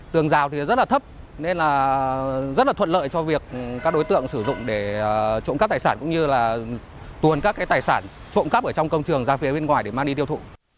tường rào thì rất là thấp nên là rất là thuận lợi cho việc các đối tượng sử dụng để trộm cắp tài sản cũng như là tuồn các tài sản trộm cắp ở trong công trường ra phía bên ngoài để mang đi tiêu thụ